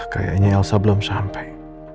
kayaknya elsa belum sampai